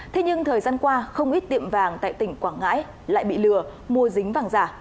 thế nhưng thời gian qua không ít tiệm vàng tại tỉnh quảng ngãi lại bị lừa mua dính vàng giả